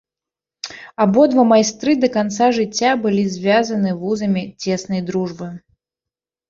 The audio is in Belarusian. Абодва майстры да канца жыцця былі звязаны вузамі цеснай дружбы.